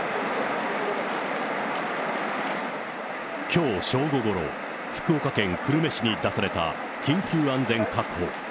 きょう正午ごろ、福岡県久留米市に出された緊急安全確保。